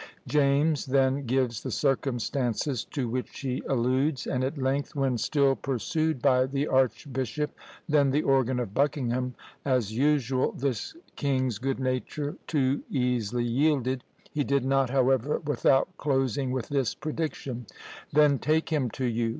James then gives the circumstances to which he alludes; and at length, when, still pursued by the archbishop, then the organ of Buckingham, as usual, this king's good nature too easily yielded; he did not, however, without closing with this prediction: "Then take him to you!